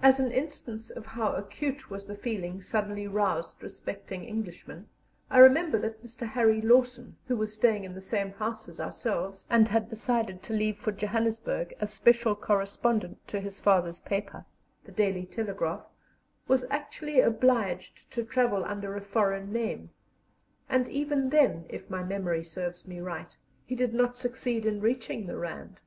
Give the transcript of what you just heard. As an instance of how acute was the feeling suddenly roused respecting Englishmen, I remember that Mr. Harry Lawson, who was staying in the same house as ourselves, and had decided to leave for Johannesburg as special correspondent to his father's paper, the Daily Telegraph, was actually obliged to travel under a foreign name; and even then, if my memory serves me right, he did not succeed in reaching the Rand.